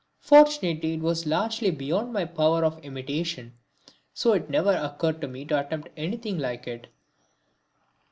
Fortunately it was entirely beyond my power of imitation, so it never occurred to me to attempt anything like it.